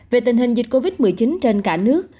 về tình hình dịch covid một mươi chín trên cả nước